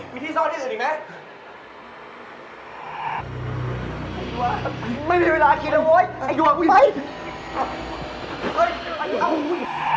บอกแล้วไงให้กลับ